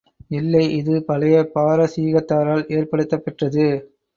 இல்லை, இது பழைய பாரசீகத்தாரால் ஏற்படுத்தப் பெற்றது.